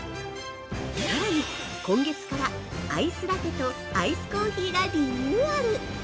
さらに、今月からアイスラテとアイスコーヒーがリニューアル！